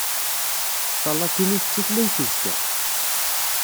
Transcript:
Talatinit d tutlayt n uzekka!